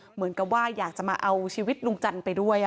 เหมือนกับว่าอยากจะมาเอาชีวิตลุงจันทร์ไปด้วย